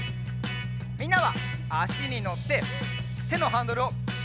みんなはあしにのっててのハンドルをしっかりにぎって！